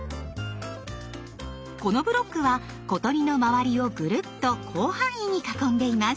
このブロックは小鳥の周りをぐるっと広範囲に囲んでいます。